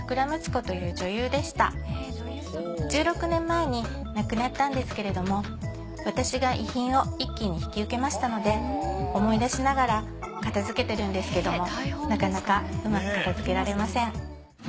１６年前に亡くなったんですけれども私が遺品を一気に引き受けましたので思い出しながら片づけてるんですけどもなかなかうまく片づけられません。